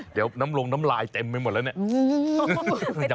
เดี๋ยวน้ำลงน้ำลายเต็มไปหมดแล้วเนี่ย